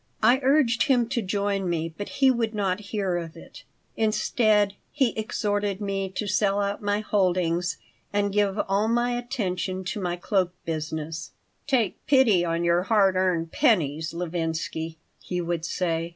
I urged him to join me, but he would not hear of it. Instead, he exhorted me to sell out my holdings and give all my attention to my cloak business "Take pity on your hard earned pennies, Levinsky," he would say.